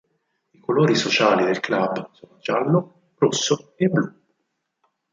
I colori sociali del club sono giallo, rosso e blu.